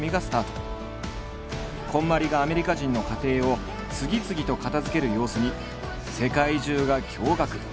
こんまりがアメリカ人の家庭を次々と片づける様子に世界中が驚愕。